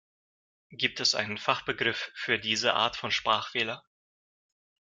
Gibt es einen Fachbegriff für diese Art von Sprachfehler?